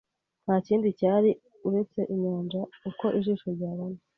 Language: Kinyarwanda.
Nta kindi cyari uretse inyanja uko ijisho ryabona